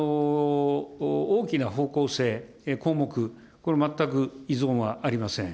大きな方向性、項目、これ、全く異存はありません。